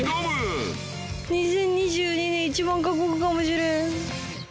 ・２０２２年一番過酷かもしれん。